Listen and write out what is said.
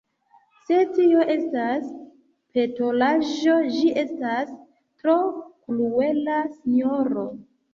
Se tio estas petolaĵo, ĝi estas tro kruela, sinjoro.